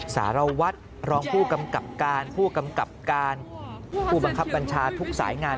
สารวัตรรองผู้กำกับการผู้บังคับบัญชาทุกสายงาน